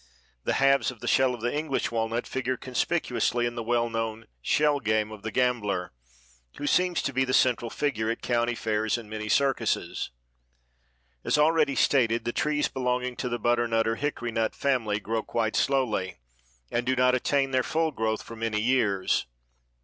The halves of the shell of the English walnut figure conspicuously in the well known "shell game" of the gambler who seems to be the central figure at county fairs and many circuses. As already stated, the trees belonging to the butternut or hickory family grow quite slowly, and do not attain their full growth for many years.